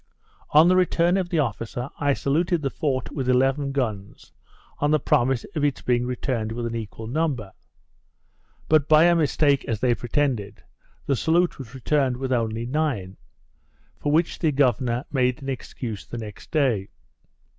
On the return of the officer, I saluted the fort with eleven guns, on a promise of its being returned with an equal number. But by a mistake, as they pretended, the salute was returned with only nine; for which the governor made an excuse the next day.